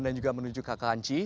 dan juga menuju ke kakanci